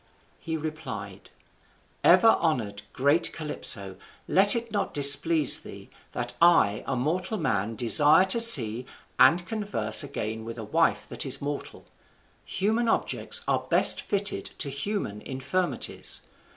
He replied: "Ever honoured, great Calypso, let it not displease thee, that I a mortal man desire to see and converse again with a wife that is mortal: human objects are best fitted to human infirmities.